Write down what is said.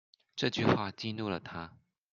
這句話激怒了他